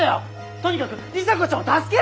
とにかく里紗子ちゃんを助けないと！